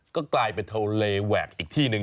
ก็กลายเป็นทะเลแหวกอีกที่หนึ่ง